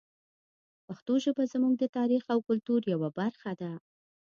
پښتو ژبه زموږ د تاریخ او کلتور یوه برخه ده.